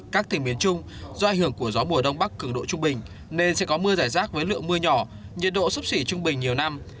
các tỉnh miền trung do ảnh hưởng của gió mùa đông bắc cường độ trung bình nên sẽ có mưa giải rác với lượng mưa nhỏ nhiệt độ sấp xỉ trung bình nhiều năm